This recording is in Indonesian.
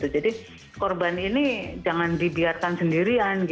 jadi korban ini jangan dibiarkan sendirian